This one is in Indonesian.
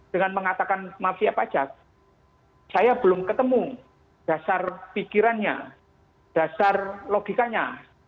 dengan mengatakan mafia pajak saya belum ketemu dasar pikirannya dasar logikanya